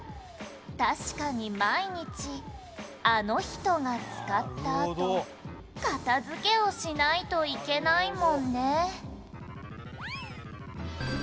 「確かに毎日あの人が使ったあと片付けをしないといけないもんね」